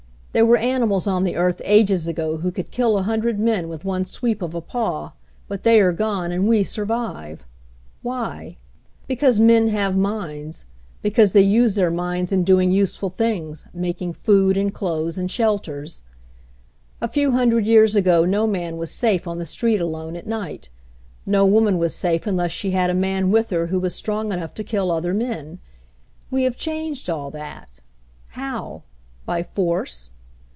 There were animals on the earth ages ago who could kill a hundred men with one sweep of a paw, but they are gone, and we sur vive. Why? Because men have minds, because 182 HENRY FORD'S OWN STORY they use their minds in doing useful things, mak ing food, and clothes, and shelters. "A few hundred years ago no man was safe on the street alone at night. No woman was safe unless she had a man with her who was strong enough to kill other men. We have changed all that. How? By force?